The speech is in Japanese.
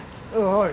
はい。